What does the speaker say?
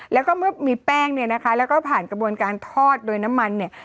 แล้วก็เมื่อมีแป้งเนี่ยนะคะแล้วก็ผ่านกระบวนการทอดโดยน้ำมันเนี่ย